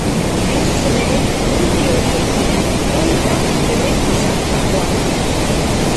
Hain zuzen ere, neurri horiek dira troikak errefusatutakoak.